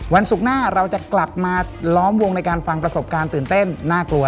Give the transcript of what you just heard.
ศุกร์หน้าเราจะกลับมาล้อมวงในการฟังประสบการณ์ตื่นเต้นน่ากลัว